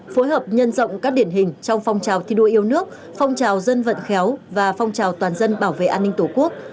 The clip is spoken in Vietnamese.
phối hợp nhân rộng các điển hình trong phong trào thi đua yêu nước phong trào dân vận khéo và phong trào toàn dân bảo vệ an ninh tổ quốc